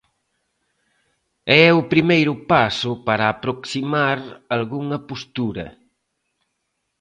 E é o primeiro paso para aproximar algunha postura.